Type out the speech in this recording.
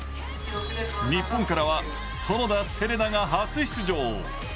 日本からは園田世玲奈が初出場。